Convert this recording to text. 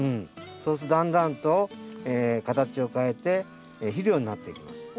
そうするとだんだんと形を変えて肥料になっていきます。